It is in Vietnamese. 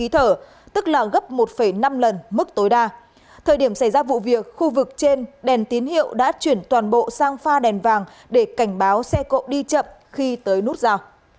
thời điểm xảy ra vụ việc khu vực trên đèn tín hiệu đã chuyển toàn bộ sang pha đèn vàng để cảnh báo xe cộ đi chậm khi tới nút rào